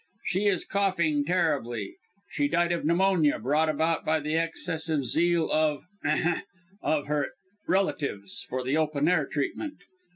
She is coughing terribly. She died of pneumonia, brought about by the excessive zeal of Ahem! of her relatives for the open air treatment.